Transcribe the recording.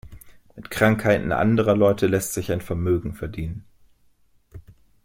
Mit Krankheiten anderer Leute lässt sich ein Vermögen verdienen.